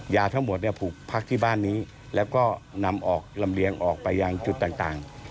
ยาทั้งหมดเนี่ยผูกพักที่บ้านนี้แล้วก็นำออกลำเลียงออกไปยังจุดต่าง